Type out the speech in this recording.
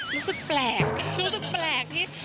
รู้สึกแปลกรู้สึกแปลกที่